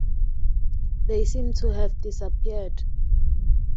They seem to have disappeared.